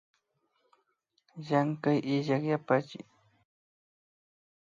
Llankay illak yapachik